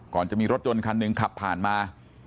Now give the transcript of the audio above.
ก่อนจะมีรถยนต์คันหนึ่งขับผ่านมา